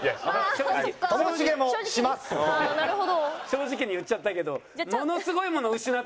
正直に言っちゃったけど。